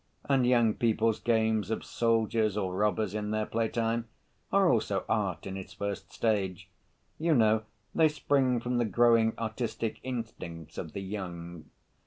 And young people's games of soldiers or robbers in their playtime are also art in its first stage. You know, they spring from the growing artistic instincts of the young.